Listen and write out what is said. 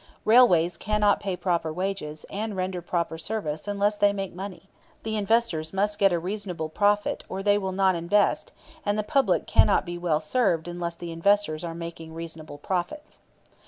Railways cannot pay proper wages and render proper service unless they make money. The investors must get a reasonable profit or they will not invest, and the public cannot be well served unless the investors are making reasonable profits.